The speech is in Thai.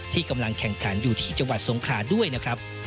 ที่กำลังแข่งขันอยู่ที่จังหวัดสงขลาด้วยนะครับ